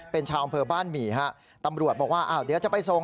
เป็นชาวอำเภอบ้านหมี่ฮะตำรวจบอกว่าอ้าวเดี๋ยวจะไปส่ง